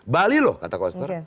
bali loh kata koster